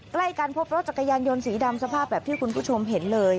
ใกล้กันพบรถจักรยานยนต์สีดำสภาพแบบที่คุณผู้ชมเห็นเลย